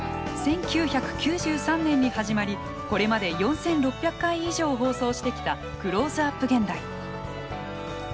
１９９３年に始まりこれまで４，６００回以上放送してきた「クローズアップ現代」。